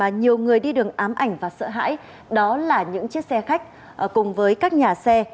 hình ảnh mà nhiều người đi đường ám ảnh và sợ hãi đó là những chiếc xe khách cùng với các nhà xe